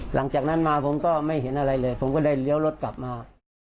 หลังจากนั้นมาผมก็ไม่เห็นอะไรเลยผมก็ได้เลี้ยวรถกลับมา